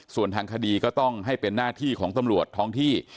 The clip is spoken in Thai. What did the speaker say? ส่วนทางคดีก็ต้องให้เป็นหน้าที่ของตำรวจท้องที่